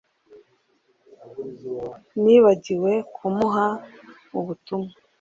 Nibagiwe kumuha ubutumwa